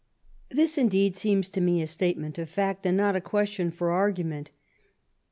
This, indeed, seems to me a statement of fact and not a question for argument.